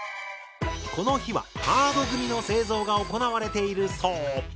この日はハードグミの製造が行われているそう。